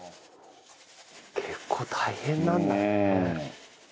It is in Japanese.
結構大変なんだね。